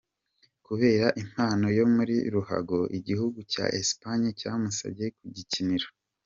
Kubera impano ye muri ruhago, igihugu cya Espagne cyamusabye kugikinira.